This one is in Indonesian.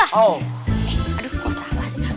eh aduh salah sih